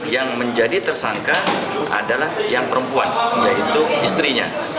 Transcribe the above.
yang menjadi tersangka adalah yang perempuan yaitu istrinya